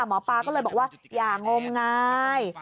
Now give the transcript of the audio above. หมอปลาก็เลยบอกว่าอย่างมงาย